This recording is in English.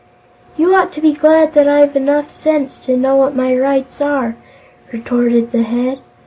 "You ought to be glad that I've enough sense to know what my rights are," retorted the Head.